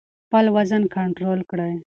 خپل وزن کنټرول کړئ.